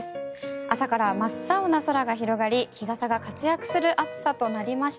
朝から真っ青な空が広がり日傘が活躍する暑さとなりました。